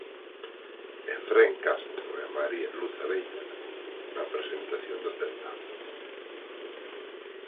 Efrén Castro e María Luz Abella, na presentación do certame.